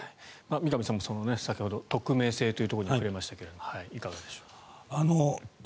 三上さんも先ほど匿名性というところに触れましたがいかがでしょう。